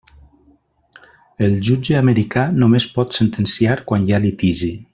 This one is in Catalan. El jutge americà només pot sentenciar quan hi ha litigi.